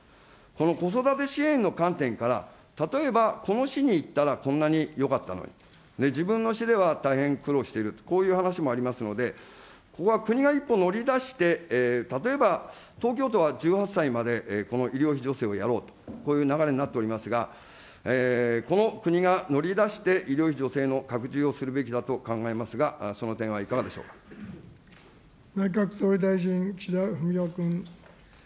この子育て支援の観点から、例えばこの市に行ったらこんなによかったのに、自分の市では大変苦労していると、こういう話もありますので、ここは国が一歩乗り出して、例えば東京都は１８歳まで、この医療費助成をやろうと、こういう流れになっておりますが、この国が乗り出して女性の拡充をするべきだと考えますが、その点内閣総理大臣、岸田文雄君。